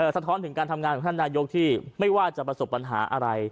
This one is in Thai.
สะท้อนถึงการทำงานของท่านนายกที่ไม่ว่าจะประสบปัญหาอะไร